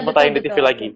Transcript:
sempet tayang di tv lagi